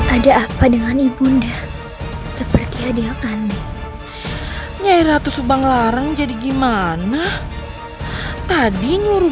ada apa dengan ibunda seperti hadiah kandung nyairatus banglarang jadi gimana tadi nyuruh